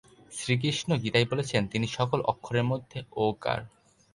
শ্রীকৃষ্ণ গীতায় বলেছেন, তিনি সকল অক্ষরের মধ্যে ওঁ-কার।